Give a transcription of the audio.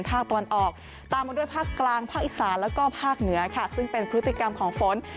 ภาคอีสานแล้วก็ภาคเหนือค่ะซึ่งเป็นพฤติกรรมของฝน